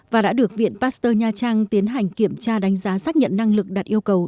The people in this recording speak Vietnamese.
và đã được viện pasteur nha trang tiến hành kiểm tra đánh giá xác nhận năng lực đạt yêu cầu